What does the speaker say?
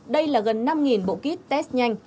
đây là gần năm bộ kit test nhanh